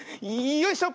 よいしょ！